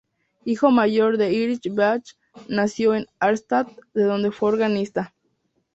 Hijo mayor de Heinrich Bach, nació en Arnstadt, de donde fue organista.